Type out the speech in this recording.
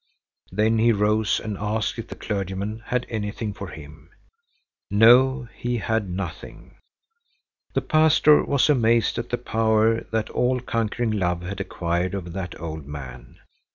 Then he rose and asked if the clergyman had anything for him. No, he had nothing. The pastor was amazed at the power that all conquering love had acquired over that old man.